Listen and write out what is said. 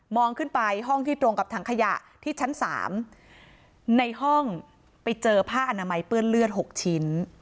ขึ้นไปห้องที่ตรงกับถังขยะที่ชั้น๓ในห้องไปเจอผ้าอนามัยเปื้อนเลือด๖ชิ้น